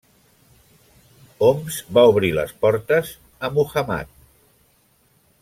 Homs va obrir les portes a Muhammad.